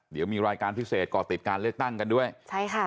เดี๋ยวมีรายการพิเศษก่อติดการเลือกตั้งกันด้วยใช่ค่ะ